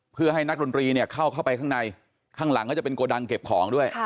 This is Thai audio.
เพื่อให้นักดนตรีเนี่ยเข้าไปข้างในข้างหลังก็จะเป็นโกดังเก็บของด้วย